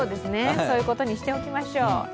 そういうことにしておきましょう。